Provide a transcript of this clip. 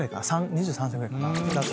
２３歳ぐらいかな。